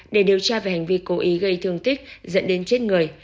để điều tra về hành vi cố ý gây thương tích dẫn đến chết người